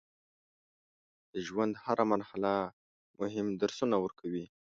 د ژوند هره مرحله مهم درسونه ورکوي.